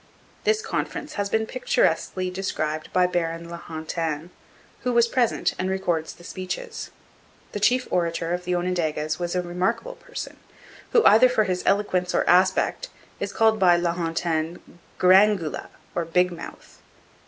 This conference has been picturesquely described by Baron La Hontan, who was present and records the speeches. The chief orator of the Onondagas was a remarkable person, who either for his eloquence or aspect is called by La Hontan, Grangula, or Big Mouth.